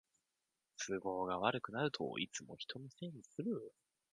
都合が悪くなるといつも人のせいにする